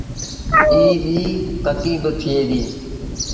ائيٚݩ ٻيٚ ڪڪي با ٿئي ديٚ۔